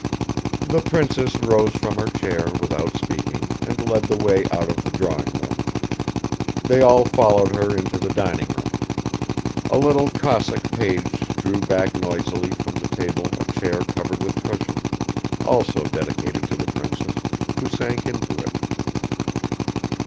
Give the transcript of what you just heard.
The princess rose from her chair without speaking and led the way out of the drawing room. They all followed her into the dining room. A little Cossack page drew back noisily from the table a chair covered with cushions, also dedicated to the princess, who sank into it.